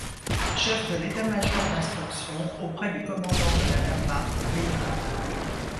Chef de l'état-major d'instruction auprès du commandant de la Wehrmacht aux Pays-Bas.